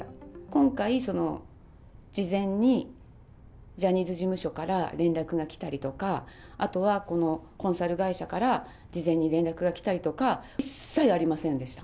今回、事前にジャニーズ事務所から連絡がきたりとか、あとはコンサル会社から事前に連絡がきたりとか、一切ありませんでした。